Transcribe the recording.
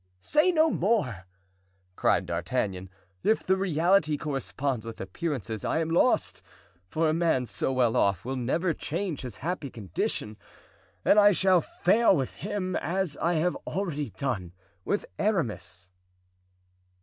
"Say no more!" cried D'Artagnan. "If the reality corresponds with appearances I am lost; for a man so well off will never change his happy condition, and I shall fail with him, as I have already done with Aramis."